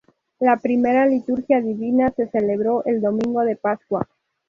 La primera Liturgia Divina se celebró el Domingo de Pascua.